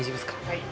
はい。